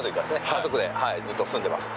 家族でずっと住んでます。